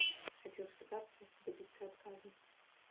Хацеў спытацца, дабіцца адказу.